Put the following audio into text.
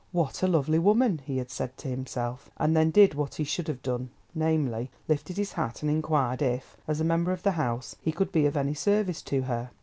"What a lovely woman!" he had said to himself, and then did what he should have done, namely, lifted his hat and inquired if, as a member of the House, he could be of any service to her.